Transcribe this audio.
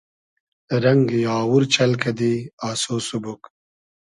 رئنگی آوور چئل کئدی آسۉ سوبوگ